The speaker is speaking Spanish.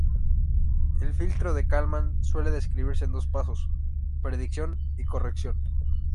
El filtro de Kalman suele describirse en dos pasos: predicción y corrección.